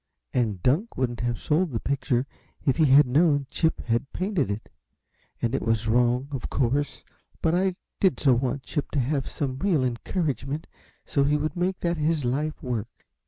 And Dunk wouldn't have sold the picture if he had known Chip painted it, and it was wrong, of course, but I did so want Chip to have some real encouragement so he would make that his life work.